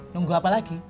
nunggu apa lagi